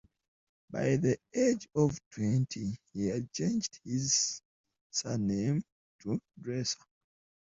By the age of twenty he had changed his surname to Dresser.